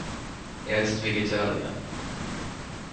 Er ist Vegetarier.